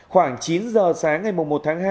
khoảng chín giờ sáng ngày một tháng hai